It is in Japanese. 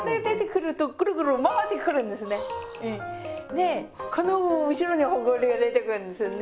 でこの後ろにほこりが出てくるんですよね。